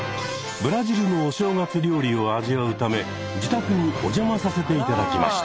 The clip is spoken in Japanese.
ブラジルのお正月料理を味わうため自宅にお邪魔させて頂きました。